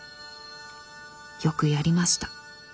よくやりました。